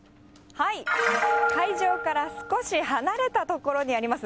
会場から少し離れた所にあります